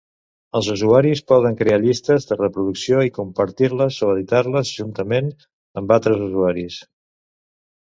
Els usuaris poden crear llistes de reproducció i compartir-les o editar-les juntament amb altres usuaris.